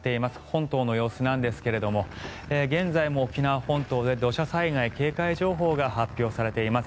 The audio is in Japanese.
本島の様子なんですが現在も沖縄本島で土砂災害警戒情報が発表されています。